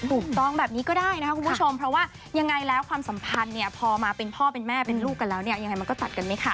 ถูกต้องแบบนี้ก็ได้นะครับคุณผู้ชมเพราะว่ายังไงแล้วความสัมพันธ์เนี่ยพอมาเป็นพ่อเป็นแม่เป็นลูกกันแล้วเนี่ยยังไงมันก็ตัดกันไหมคะ